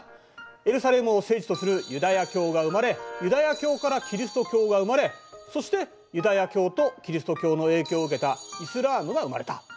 エルサレムを聖地とするユダヤ教が生まれユダヤ教からキリスト教が生まれそしてユダヤ教とキリスト教の影響を受けたイスラームが生まれた。